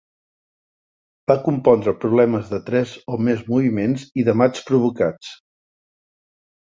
Va compondre problemes de tres o més moviments i de mats provocats.